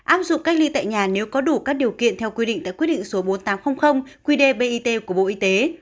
áp dụng cách ly tại nhà nếu có đủ các điều kiện theo quy định tại quy định số bốn nghìn tám trăm linh quy đề bit của bộ y tế